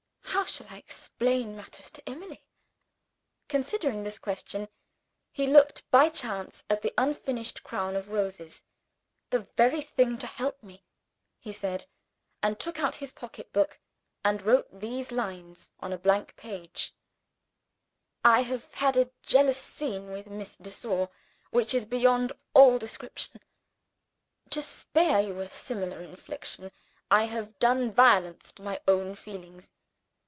"How shall I explain matters to Emily?" Considering this question, he looked by chance at the unfinished crown of roses. "The very thing to help me!" he said and took out his pocketbook, and wrote these lines on a blank page: "I have had a scene of jealousy with Miss de Sor, which is beyond all description. To spare you a similar infliction, I have done violence to my own feelings.